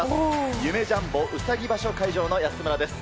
夢・ジャンボうさぎ場所会場の安村です。